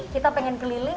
kita pengen keliling